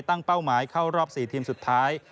เป้าหมายเข้ารอบ๔ทีมสุดท้าย